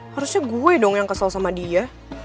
harusnya gue dong yang kesel sama dia